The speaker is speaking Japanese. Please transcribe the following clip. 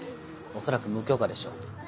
恐らく無許可でしょう。